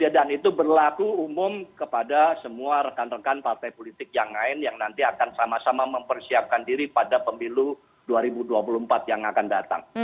dan itu berlaku umum kepada semua rekan rekan partai politik yang lain yang nanti akan sama sama mempersiapkan diri pada pemilu dua ribu dua puluh empat yang akan datang